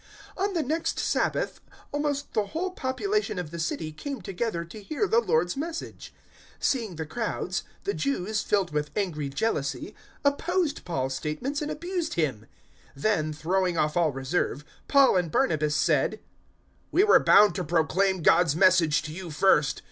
013:044 On the next Sabbath almost the whole population of the city came together to hear the Lord's Message. 013:045 Seeing the crowds, the Jews, filled with angry jealousy, opposed Paul's statements and abused him. 013:046 Then, throwing off all reserve, Paul and Barnabas said, "We were bound to proclaim God's Message to you first.